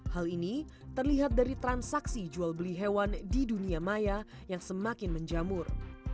hal ini terlihat dari transaksi jual beli hewan di dunia maya yang semakin menjamur